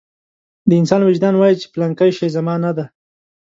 د انسان وجدان وايي چې پلانکی شی زما نه دی.